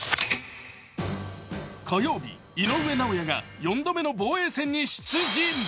火曜日、井上尚弥が４度目の防衛戦に出陣。